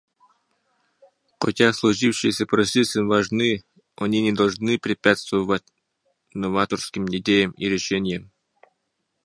Хотя сложившиеся процессы важны, они не должны препятствовать новаторским идеям и решениям.